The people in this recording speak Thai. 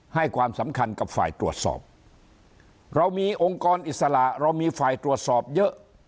ให้ความสำคัญกับฝ่ายตรวจสอบเรามีองค์กรอิสระเรามีฝ่ายตรวจสอบเยอะ